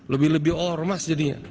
lebih lebih ormas jadinya